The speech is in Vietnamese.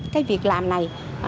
cái việc làm này